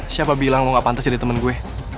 siapa bilang mau gak pantas jadi temen gue